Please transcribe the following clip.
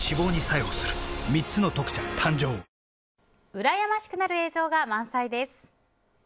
うらやましくなる映像が満載です。